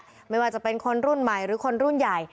ทุกรุ่นแหละไม่ว่าจะเป็นคนรุ่นใหม่หรือคนรุ่นใหญ่